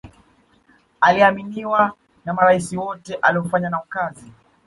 aliaminiwa na maraisi wote aliyofanya nao kazi